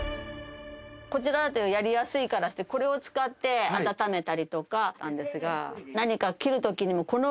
こちらだとやりやすいからってこれを使って温めたりとか。